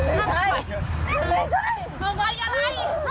เอาไว้อย่าไหล